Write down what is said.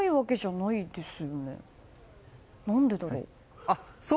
何でだろう。